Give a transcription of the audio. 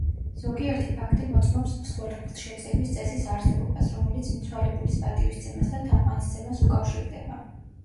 ზოგიერთი ფაქტი მოწმობს მსხვერპლთშეწირვის წესის არსებობას, რომელიც მიცვალებულის პატივისცემას და თაყვანისცემას უკავშირდება.